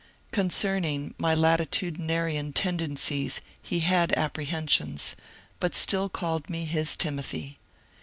*' Concerning my latitu dinarian tendencies he had apprehensions, bat still called me his Timothy.